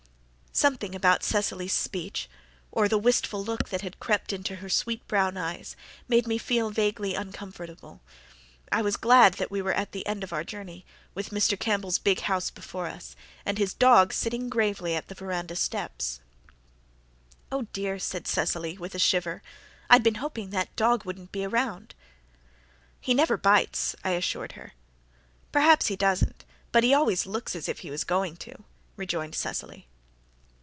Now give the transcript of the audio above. Something about Cecily's speech or the wistful look that had crept into her sweet brown eyes made me feel vaguely uncomfortable; I was glad that we were at the end of our journey, with Mr. Campbell's big house before us, and his dog sitting gravely at the veranda steps. "Oh, dear," said Cecily, with a shiver, "I'd been hoping that dog wouldn't be around." "He never bites," I assured her. "Perhaps he doesn't, but he always looks as if he was going to," rejoined Cecily.